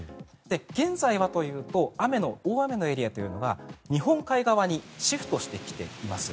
現在はというと大雨のエリアというのは日本海側にシフトしてきています。